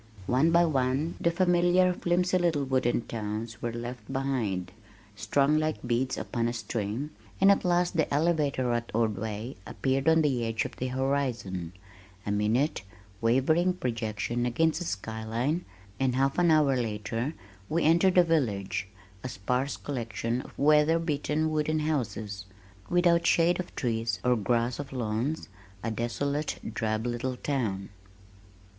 One by one the familiar flimsy little wooden towns were left behind (strung like beads upon a string), and at last the elevator at Ordway appeared on the edge of the horizon, a minute, wavering projection against the sky line, and half an hour later we entered the village, a sparse collection of weather beaten wooden houses, without shade of trees or grass of lawns, a desolate, drab little town.